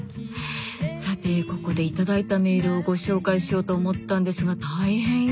さてここで頂いたメールをご紹介しようと思ったんですが大変よ